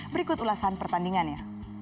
berikut ulasan pertandingannya